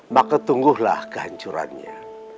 maka tungguhlah kehancurannya